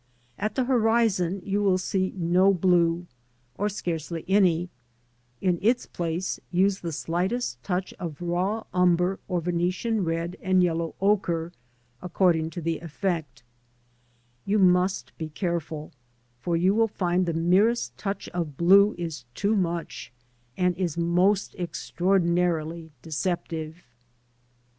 At the horizon you will see no blue, or scarcely any; in its place use the slightest touch of raw umber or Venetian red and yellow ochre, according to the effect You must be careful, for you will find the merest touch of blue is too much, and is most extraordinarily deceptive.